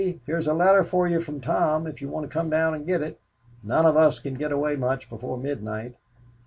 here's a letter for you from Tom, if you want to come down and get it. None of us can get away much before midnight."